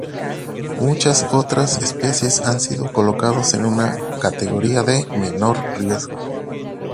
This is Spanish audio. Muchas otras especies han sido colocados en una categoría de "menor riesgo".